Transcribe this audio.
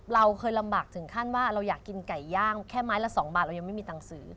เราเคยลำบากถึงขั้นว่าเราอยากกินไก่ย่างแค่ไม้ละ๒บาทเรายังไม่มีตังค์ซื้อ